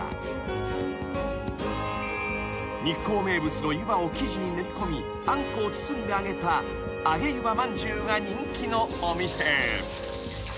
［日光名物の湯葉を生地に練りこみあんこを包んで揚げた揚げゆばまんじゅうが人気のお店］